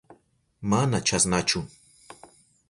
Mana chasnachu.